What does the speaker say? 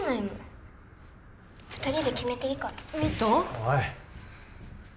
おい。